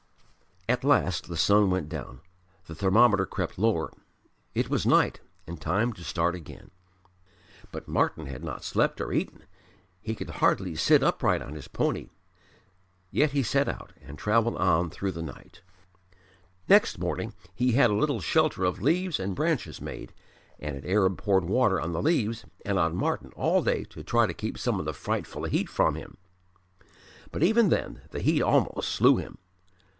At last the sun went down: the thermometer crept lower: it was night and time to start again. But Martyn had not slept or eaten. He could hardly sit upright on his pony. Yet he set out and travelled on through the night. Next morning he had a little shelter of leaves and branches made, and an Arab poured water on the leaves and on Martyn all day to try to keep some of the frightful heat from him. But even then the heat almost slew him.